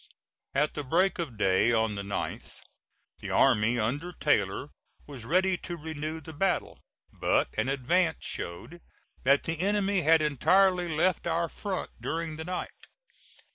At the break of day on the 9th, the army under Taylor was ready to renew the battle; but an advance showed that the enemy had entirely left our front during the night.